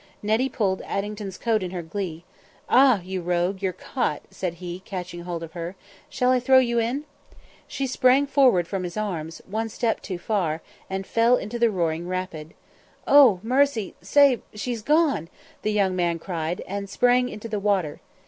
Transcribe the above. Nettie pulled Addington's coat in her glee. "Ah! you rogue, you're caught," said he, catching hold of her; "shall I throw you in?" She sprang forward from his arms, one step too far, and fell into the roaring rapid. "Oh, mercy! save she's gone!" the young man cried, and sprang into the water.